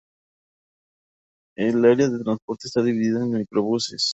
El área de transporte está dividida en microbuses, taxi colectivos, ferrocarriles y buses interurbanos.